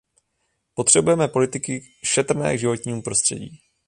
Potřebujeme politiky šetrné k životnímu prostředí.